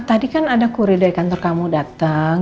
tadi kan ada kuri dari kantor kamu dateng